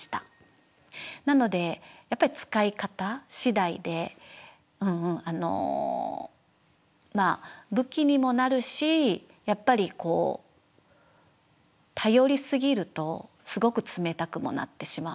なのでやっぱり使い方次第で武器にもなるしやっぱりこう頼りすぎるとすごく冷たくもなってしまう。